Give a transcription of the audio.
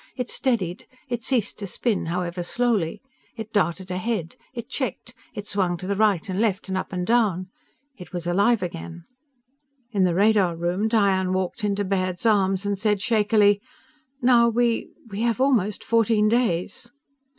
It steadied. It ceased to spin, however slowly. It darted ahead. It checked. It swung to the right and left and up and down. It was alive again. In the radar room, Diane walked into Baird's arms and said shakily: "Now we ... we have almost fourteen days."